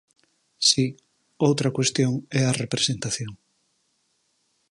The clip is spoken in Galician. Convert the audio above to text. Si, outra cuestión é a representación.